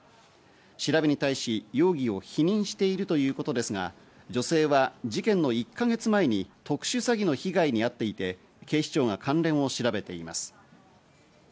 調べに対し容疑を否認しているということですが、女性は事件の１か月前に特殊詐欺の被害に遭っていて、警視庁が関連を調べています。